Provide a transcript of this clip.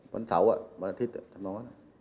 วันเสาร์อ่ะวันอาทิตย์อ่ะ